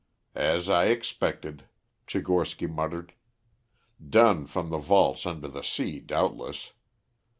"As I expected," Tchigorsky muttered. "Done from the vaults under the sea, doubtless.